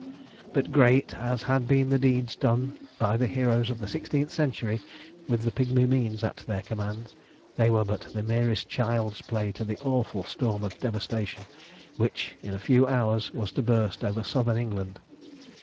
But great as had been the deeds done by the heroes of the sixteenth century with the pigmy means at their command, they were but the merest child's play to the awful storm of devastation which, in a few hours, was to burst over southern England.